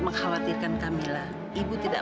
mengkhawatirkan kamila ibu tidak